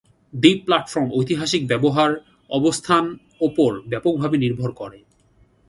দ্বীপ প্ল্যাটফর্ম ঐতিহাসিক ব্যবহার অবস্থান উপর ব্যাপকভাবে নির্ভর করে।